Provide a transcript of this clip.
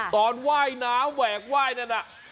ตอนว่ายน้ำแหวกว่ายน่ะน่ะ